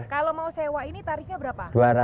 kalau mau sewa ini tarifnya berapa